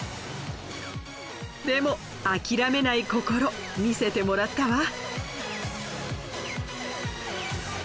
でも諦めない心見せてもらったわ。